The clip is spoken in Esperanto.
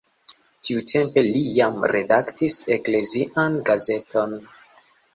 Tiutempe li jam redaktis eklezian gazeton.